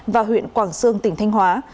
và huyện quảng sương tỉnh thanh hóa